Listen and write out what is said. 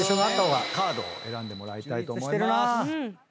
カードを選んでもらいたいと思います。